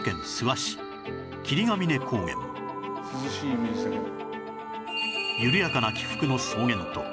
涼しいイメージだけど。